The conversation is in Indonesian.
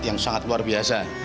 yang sangat luar biasa